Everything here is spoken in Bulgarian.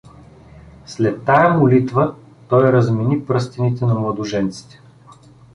След тая молитва той размени пръстените на младоженците.